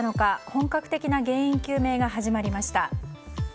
本格的な原因究明が始まりました。